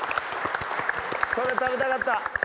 それ食べたかった！